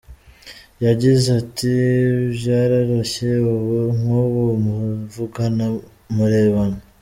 Yagize ati “Byaroroshye ubu ng’ubu muvugana murebana.